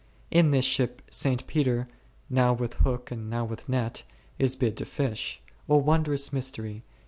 In this ship St. Peter, now with hook and now with net, is bid to fish. O wondrous mystery